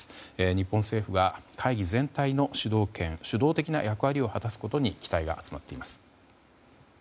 日本政府が会議全体の主導的な役割を果たすことに期待が集まっています。